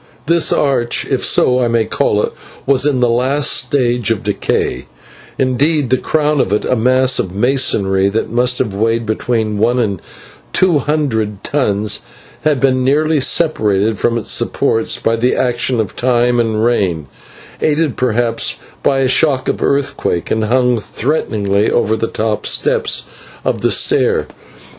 This arch was in the last stage of decay indeed the crown of it, a mass of masonry that must have weighed between one and two hundred tons, had been nearly separated from its supports by the action of time and rain, aided perhaps by a shock of earthquake, and hung threateningly over the top steps of the stair.